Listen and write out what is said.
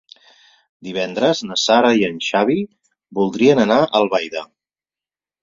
Divendres na Sara i en Xavi voldrien anar a Albaida.